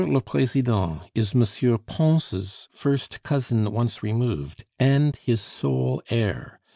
le President is M. Pons' first cousin once removed, and his sole heir.